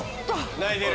泣いてる。